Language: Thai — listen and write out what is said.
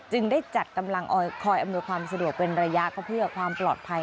ได้จัดกำลังคอยอำนวยความสะดวกเป็นระยะก็เพื่อความปลอดภัย